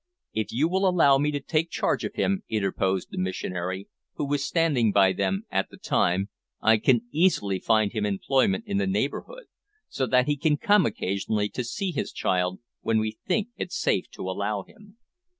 "If you will allow me to take charge of him," interposed the missionary, who was standing by them at the time, "I can easily find him employment in the neighbourhood, so that he can come occasionally to see his child when we think it safe to allow him."